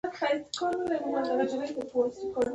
په افغانستان کې د کابل لپاره طبیعي شرایط مناسب دي.